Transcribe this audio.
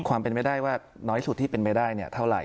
ความเป็นไม่ได้ว่าน้อยสุดที่เป็นไปได้เท่าไหร่